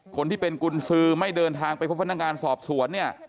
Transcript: คนที่เป็นกุญสือไม่เดินทางไปพบพนักงานสอบสวนเนี่ย